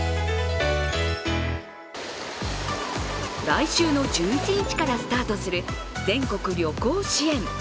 来週の１１日からスタートする全国旅行支援。